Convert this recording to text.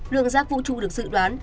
lượng rác vũ trụ được dự đoán